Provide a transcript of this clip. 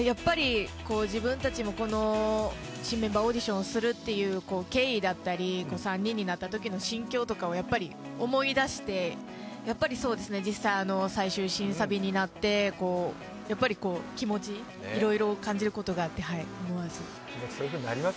自分たちも新メンバーオーディションするという経緯だったり３人になったときの心境とかを思い出して、実際、最終審査日になっていろいろ感じることがあって思わず。